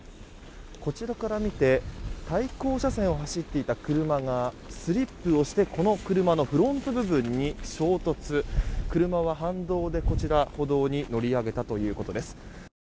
こちらから見て対向車線を走っていた車がスリップをしてこの車のフロント部分に衝突、車は反動で歩道に乗り上げたということです。